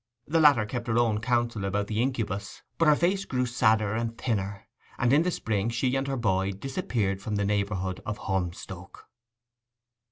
The latter kept her own counsel about the incubus, but her face grew sadder and thinner; and in the spring she and her boy disappeared from the neighbourhood of Holmstoke.